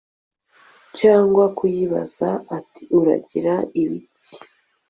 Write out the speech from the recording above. cyangwa kuyibaza ati uragira ibiki